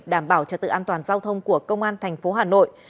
đảm bảo trật tự an toàn giao thông của công an thành phố hà nội